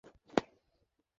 ফুলওয়া, কোথায় তুমি?